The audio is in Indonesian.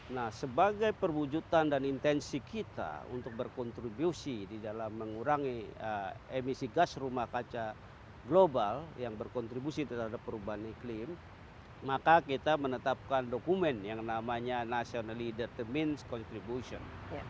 nah sebagai perwujudan dan intensi kita untuk berkontribusi di dalam mengurangi emisi gas rumah kaca global yang berkontribusi terhadap perubahan iklim maka kita menetapkan dokumen yang namanya national leader the mainst contribution